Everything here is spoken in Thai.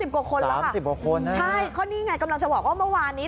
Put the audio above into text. ๓๐กว่าคนละอ่ะใช่ข้อนี่ไงกำลังจะบอกว่าเมื่อวานนี้